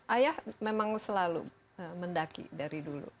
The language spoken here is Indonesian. ayah memang selalu mendaki dari dulu